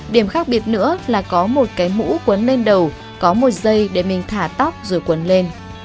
điểm khác biệt nữa là có một cái mũ quấn lên đầu có một giây để mình thả tóc rồi quấn lên